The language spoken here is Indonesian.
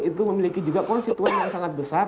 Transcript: itu memiliki juga konstituen yang sangat besar